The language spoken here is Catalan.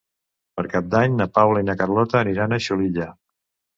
Per Cap d'Any na Paula i na Carlota aniran a Xulilla.